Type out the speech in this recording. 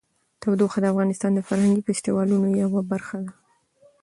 تودوخه د افغانستان د فرهنګي فستیوالونو یوه برخه ده.